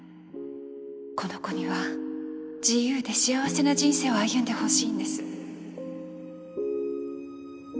この子には自由で幸せな人生を歩んでほしいんです